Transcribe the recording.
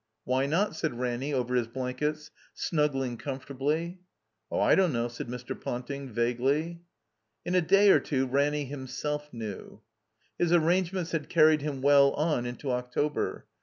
''Why not?" said Ranny over his blankets, snuggling comfortably. 0h, I don't know," said Mr. Ponting, vaguely. In a day or two Ranny himself knew. His arrangements had carried him well on into October.